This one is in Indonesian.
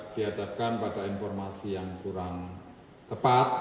dihadapkan pada informasi yang kurang tepat